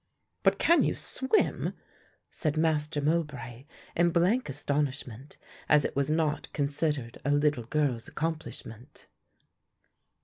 "But can you swim?" said Master Mowbray in blank astonishment, as it was not considered a little girl's accomplishment.